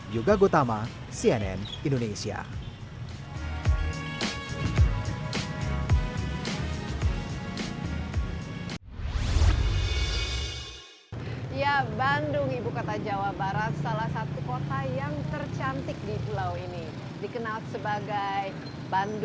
yuga gotama cnn indonesia